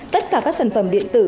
tất cả các sản phẩm điện tử